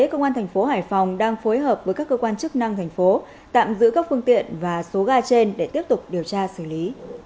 công an thành phố hải phòng đang phối hợp với các cơ quan chức năng thành phố tạm giữ các phương tiện và số gà trên để tiếp tục điều tra xử lý